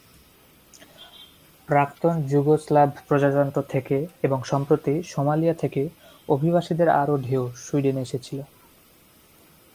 প্রাক্তন যুগোস্লাভ প্রজাতন্ত্র থেকে এবং সম্প্রতি সোমালিয়া থেকে অভিবাসীদের আরও ঢেউ সুইডেনে এসেছিল।